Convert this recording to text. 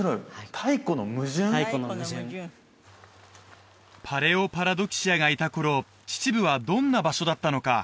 太古の矛盾パレオパラドキシアがいた頃秩父はどんな場所だったのか？